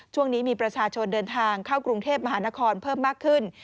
ช่วงนี้มีประชาชนเดินทางเข้ากรุงเทพมหานครเพิ่มมากขึ้น